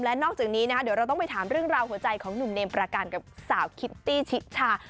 และนอกจากนี้นะคะเดี๋ยวเราต้องไปถามเรื่องราวหัวใจของหนุ่มเมมประกันกับสาวคิตตี้ชิชา